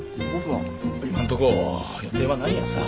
今んとこは予定はないんやさ。